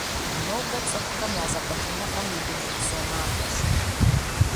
Нобэ цӀыхухэм я зэкъуэтыныгъэм и дунейпсо махуэщ.